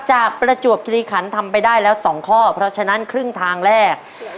ประจวบคิริขันทำไปได้แล้ว๒ข้อเพราะฉะนั้นครึ่งทางแรก